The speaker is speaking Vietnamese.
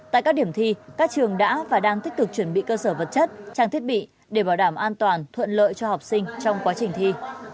tại các điểm thi các trường đã và đang tích cực chuẩn bị cơ sở vật chất trang thiết bị để bảo đảm an toàn thuận lợi cho học sinh trong quá trình thi